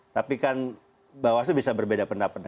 tapi kan bawaslu bisa berbeda pendapat